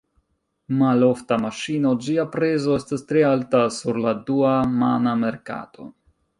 Malofta maŝino, ĝia prezo estas tre alta sur la dua-mana merkato.